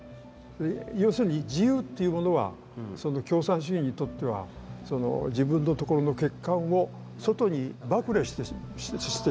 要するに自由っていうものはその共産主義にとってはその自分のところの欠陥を外に暴露してしまう。